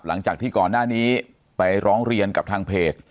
หลังจากที่ก่อนหน้านี้ไปร้องเรียนกับทางเพจ